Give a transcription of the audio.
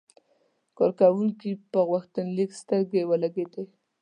کارکونکي په غوښتنلیک سترګې ولګېدې.